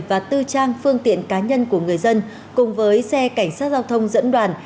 và tư trang phương tiện cá nhân của người dân cùng với xe cảnh sát giao thông dẫn đoàn